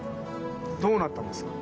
どうなったんですか？